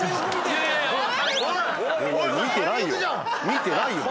見てないよ